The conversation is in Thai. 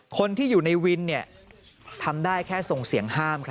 คนที่อยู่ในวินทำได้แค่ส่งเสียงห้าม